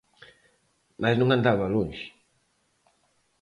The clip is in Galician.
Mais non andaba lonxe.